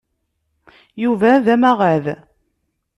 Yuba d amaɣad.